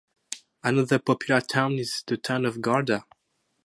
Another popular town is the town of Garda.